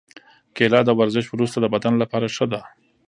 کېله د ورزش وروسته د بدن لپاره ښه ده.